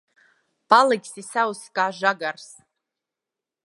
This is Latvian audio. Paliksi sauss kā žagars.